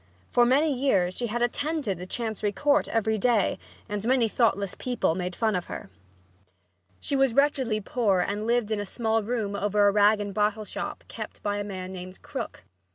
For many years she had attended the Chancery Court every day and many thoughtless people made fun of her. She was wretchedly poor and lived in a small room over a rag and bottle shop kept by a man named Krook.